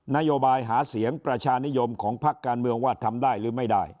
นโยบายหาเสียงประชานิยมของพักการเมืองว่าทำได้หรือไม่ได้